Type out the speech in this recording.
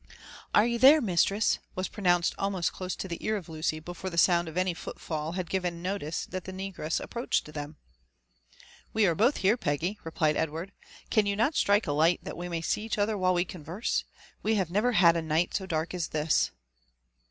" Are you here, mistress?" was pronounced almost close to the ear of Lucy before the sound of any foot fall had given notice th^ the ne gress approached them. '* We are both here, Peggy," replied Edward ;'' can you not strike « light, that we may see each other while we converse ? We have never had a night so dark as this."